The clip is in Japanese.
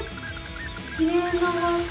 きれいな場しょ！